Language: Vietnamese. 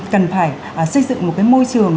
cần phải xây dựng một cái môi trường